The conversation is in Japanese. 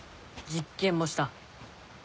実験もした。